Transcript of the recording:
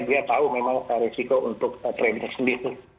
dia tahu memang ada resiko untuk trading sendiri